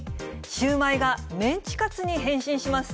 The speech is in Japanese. シウマイがメンチカツに変身します。